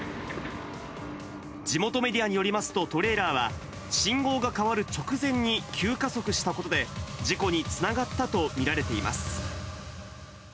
地元メディアによりますと、トレーラーは、信号が変わる直前に急加速したことで、事故につながったと見られています。